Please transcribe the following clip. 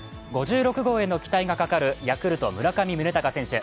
５６号への期待がかかるヤクルト・村上宗隆選手。